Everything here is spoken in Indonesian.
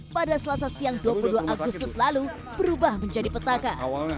pada selasa siang dua puluh dua agustus lalu berubah menjadi petaka